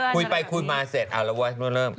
คุยไปคุยมาเสร็จเอาละว่ามันเริ่ม